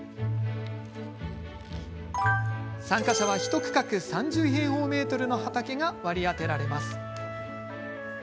参加者には１区画３０平方メートルの畑が割り当てられます。